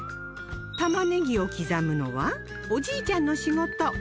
玉ねぎを刻むのはおじいちゃんの仕事